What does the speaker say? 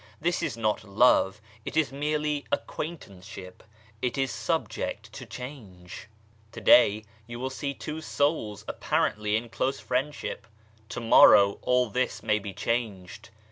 This is not love, it is merely acquaintanceship ; it is subject to change. To day you will see two souls apparently in close friendship ; to morrow all this may be changed.